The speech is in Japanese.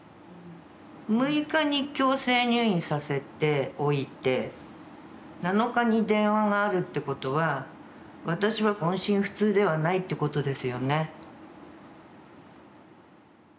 ６日に強制入院させておいて７日に電話があるってことは私は音信不通ではないってことですよね。